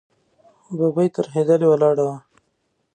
ببۍ ترهېدلې ولاړه وه.